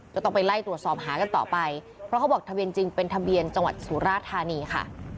ก็ต้องไปไล่ตรวจสอบหากันต่อไปเพราะเขาบอกทะเบียนจริงเป็นทะเบียนจังหวัดสุราธานีค่ะ